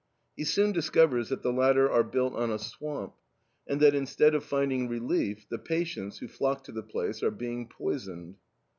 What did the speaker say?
He soon discovers that the latter are built on a swamp, and that instead of finding relief the patients, who flock to the place, are being poisoned.